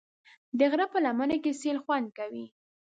د غره په لمن کې سیل خوند کوي.